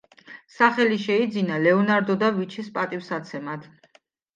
სახელი შეიძინა ლეონარდო და ვინჩის პატივსაცემად.